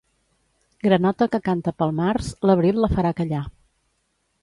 Granota que canta pel març, l'abril la farà callar.